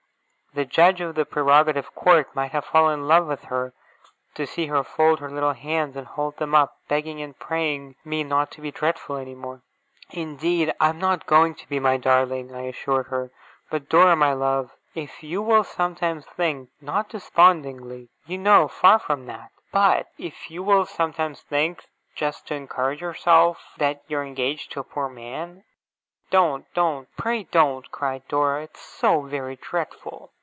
The judge of the Prerogative Court might have fallen in love with her, to see her fold her little hands and hold them up, begging and praying me not to be dreadful any more. 'Indeed I am not going to be, my darling!' I assured her. 'But, Dora, my love, if you will sometimes think, not despondingly, you know; far from that! but if you will sometimes think just to encourage yourself that you are engaged to a poor man ' 'Don't, don't! Pray don't!' cried Dora. 'It's so very dreadful!